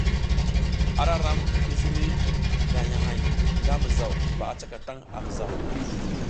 Ara ram ti ziriy gagnahay nga mizaw ba a cakatang a mizaw.